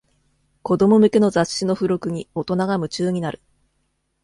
子供向けの雑誌の付録に大人が夢中になる